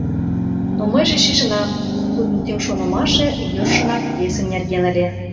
Но мыйже шижынам: тудын тӱҥ шонымашыже йӧршынак весе нерген ыле.